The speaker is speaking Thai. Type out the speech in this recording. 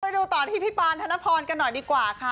ไปดูต่อที่พี่ปานธนพรกันหน่อยดีกว่าค่ะ